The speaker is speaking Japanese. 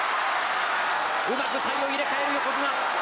うまく体を入れ替える横綱。